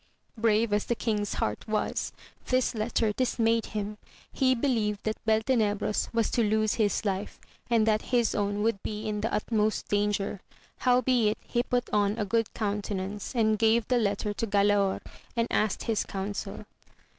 Brave as the king's heart was, this letter dismayed him; he believed that Beltenebros was to lose his life, and that his own would be in the utmost danger ; howbeit he put on a good countenance, and gave the letter to Galaor, and asked his counsel.